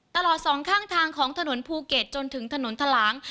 ตลอดสองข้างทางของถนนภูเก็ตจนถึงถนนทะลาง